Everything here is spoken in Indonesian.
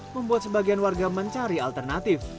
membuat sebagian warga mencari alternatif